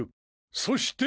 そして。